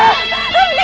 aduh stating pelanile